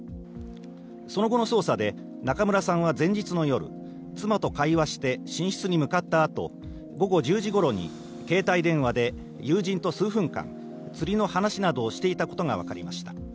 その後の捜査で、中村さんは前日の夜、妻と会話して寝室に向かったあと、午後１０時ごろに携帯電話で友人と数分間、釣りの話などをしていたことが分かりました。